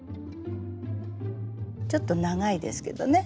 ちょっと長いですけどね